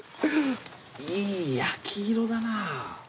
いい焼き色だな。